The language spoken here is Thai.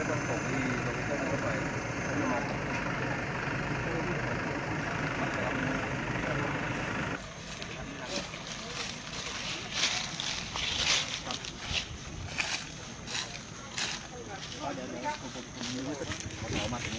แต่มองมานึกได้ว่าอาถือมีโรคโน้ทนะ